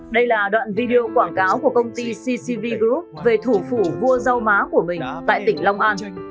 đây là đoạn video quảng cáo của công ty ccv group về thủ phủ vua rau má của mình tại tỉnh long an